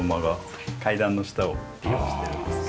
階段の下を利用しております。